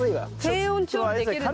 低温調理できるじゃん。